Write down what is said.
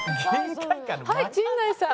はい陣内さん。